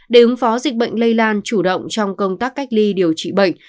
để ứng phó dịch bệnh lây lan chủ động trong công tác cách ly điều trị bệnh